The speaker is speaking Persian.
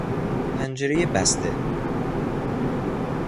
پنجرهی بسته